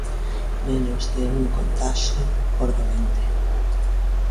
Menos de un contaxio por doente.